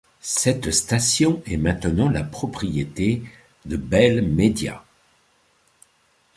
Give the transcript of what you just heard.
Cette station est maintenant la propriété de Bell Media.